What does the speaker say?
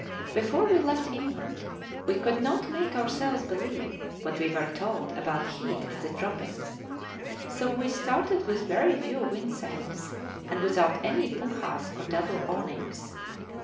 Before we left England we could not make ourselves believe what we were told about heat in the tropics; so we started with very few windsails and without any punkahs or double awnings.